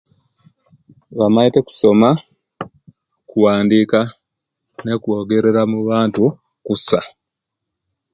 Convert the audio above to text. Bamaite okusoma, kuwandika, ne kwogerera mubantu kusa